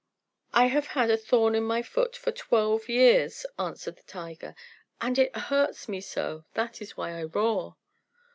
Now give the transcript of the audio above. "I have had a thorn in my foot for twelve years," answered the tiger, "and it hurts me so; that is why I roar."